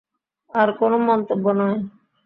আর কোনও মন্তব্য নয়।